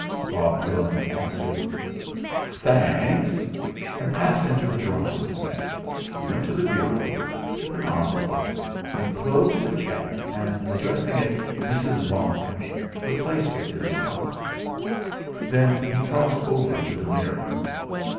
Bob Pillin answered "Tha anks," and passed into the drawing room. He went to the bureau, took an envelope, enclosed the cheque, and addressing it: "Mrs. Larne," replaced it in his pocket. Then he crossed over to the mirror.